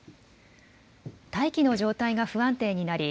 大気の状態が不安定になり